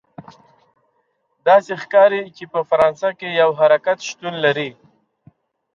داسې ښکاري چې په فرانسه کې یو حرکت شتون لري.